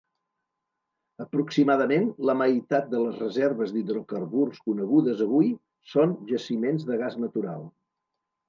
Aproximadament la meitat de les reserves d'hidrocarburs conegudes avui són jaciments de gas natural.